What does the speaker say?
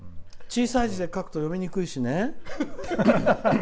小さい字で書くと読みにくいしね。